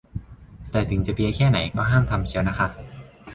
แต่ถึงจะเพลียแค่ไหนก็ห้ามทำเชียวนะคะ